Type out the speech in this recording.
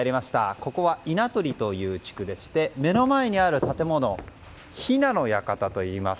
ここは稲取という地区でして目の前にある建物雛の館といいます。